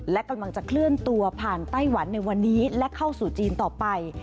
และกำลังจะเคลื่อนตัวผ่านไต้หวันในวันนี้และเข้าสู่จีนต่อไป